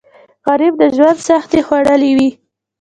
غریب د ژوند سختۍ خوړلي وي